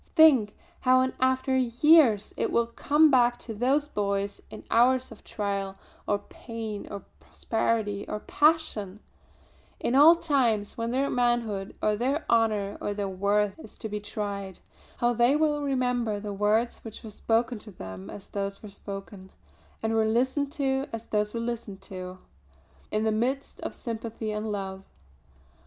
Think, how in after years it will come back to those boys in hours of trial, or pain, or prosperity, or passion; in all times when their manhood or their honour or their worth is to be tried; how they will remember the words which were spoken to them as those were spoken, and were listened to as those were listened to, in the midst of sympathy and love.